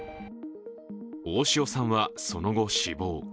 大塩さんは、その後、死亡。